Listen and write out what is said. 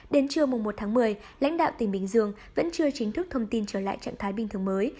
đến trưa một một mươi lãnh đạo tỉnh bình dương vẫn chưa chính thức thông tin trở lại trạng thái bình thường mới